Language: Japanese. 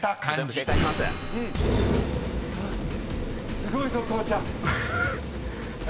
すごいぞこうちゃん。